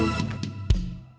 menurutmu itu sepertinya apa